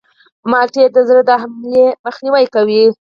مالټې د زړه د حملې مخنیوی کوي.